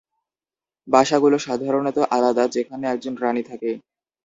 বাসাগুলো সাধারণত আলাদা, যেখানে একজন রানী থাকে।